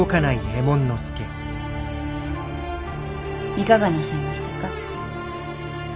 いかがなさいましたか。